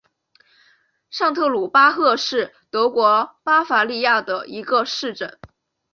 上特鲁巴赫是德国巴伐利亚州的一个市镇。